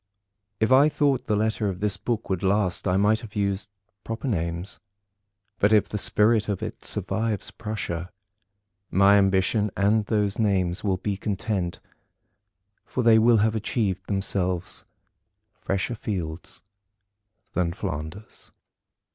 If I thought the letter of this book would last, I might have used proper names; but if the spirit of it survives Prussia, my ambition and those names will be content; for they will have achieved themselves fresher fields than Flanders.